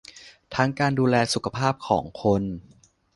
ทั้งการดูแลสุขภาพของคน